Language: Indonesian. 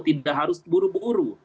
tidak harus buru buru